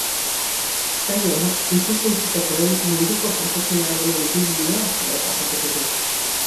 Saioak ikus entzutekoen munduko profesioanl honen ibilidea errepasatuko du.